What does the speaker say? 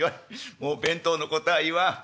もう弁当のことは言わん。